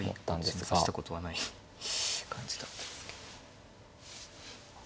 あんまり指したことはない感じだったですけど。